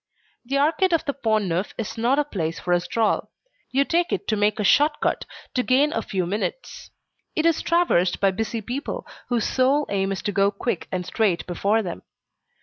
The Arcade of the Pont Neuf is not a place for a stroll. You take it to make a short cut, to gain a few minutes. It is traversed by busy people whose sole aim is to go quick and straight before them.